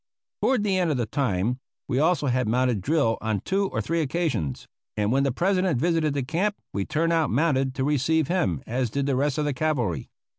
Toward the end of the time we also had mounted drill on two or three occasions; and when the President visited the camp we turned out mounted to receive him as did the rest of the cavalry.